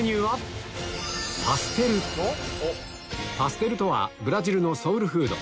パステルとはブラジルのソウルフード